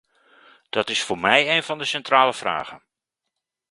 Dat is voor mij een van de centrale vragen.